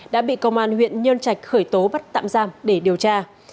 đã bị công an huyện nhân trạch khởi tố bắt tạm giam để điều tra